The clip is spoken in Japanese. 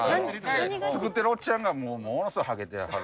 作ってるおっちゃんがものすごいハゲてはる。